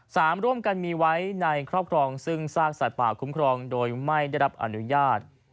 ร่วมกันมีไว้ในครอบครองซึ่งซากสัตว์ป่าคุ้มครองโดยไม่ได้รับอนุญาต